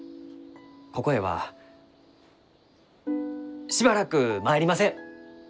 ここへはしばらく参りません！